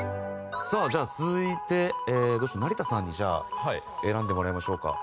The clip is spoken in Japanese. じゃあ続いてどうしよう成田さんにじゃあ選んでもらいましょうか。